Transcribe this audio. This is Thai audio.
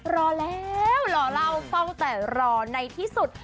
รอแล้วรอเล่าเฝ้าแต่รอในที่สุด